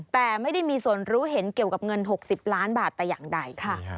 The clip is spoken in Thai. แต่ไม่ได้มีส่วนรู้เห็นเกี่ยวกับเงิน๖๐ล้านบาทแต่อย่างใดค่ะ